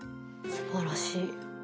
すばらしい。